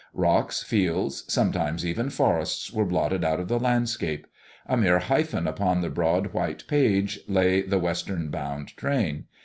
Rocks, fields, sometimes even forests were blotted out of the landscape. A mere hyphen upon the broad, white page, lay the Western bound train.